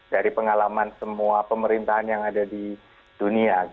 dari pengalaman semua pemerintahan yang ada di dunia